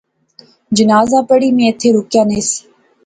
جنازہ پڑھی میں ایتھیں رکیا نہس